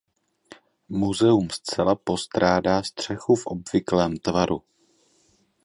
Muzeum zcela postrádá střechu v obvyklém tvaru.